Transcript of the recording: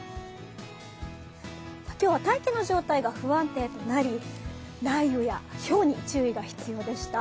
今日は大気の状態が不安定となり、雷雨やひょうに注意が必要でした。